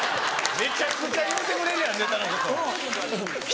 めちゃくちゃ言うてくれるやんネタのこと。